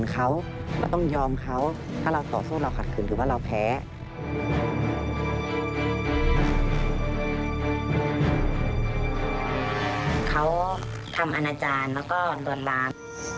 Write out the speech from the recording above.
เขาทำอาณาจารย์แล้วก็รวดล้าน